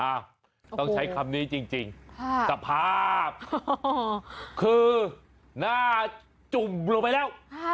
ต้องใช้คำนี้จริงค่ะสภาพคือหน้าจุ่มลงไปแล้ว